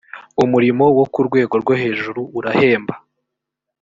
umurimo wokurwego rwohejuru urahemba.